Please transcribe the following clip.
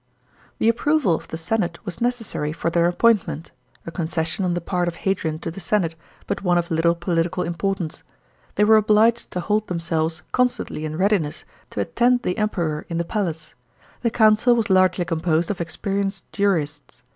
rlhe approval of the senate was necessary for their appointment — a concession on the part of Hadrian to the senate, but one of little political importance. They were obliged to hold themselves constantly in readiness to attend the Emperor in the palace. The Council was largely composed of experienced jurists.